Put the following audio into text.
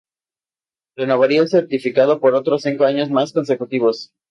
Renovaría el certificado por otros cinco años más consecutivos.